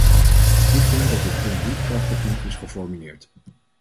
Ik vind dat dit punt niet krachtig genoeg is geformuleerd.